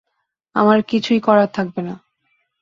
আমার কিছুই করার থাকবে না।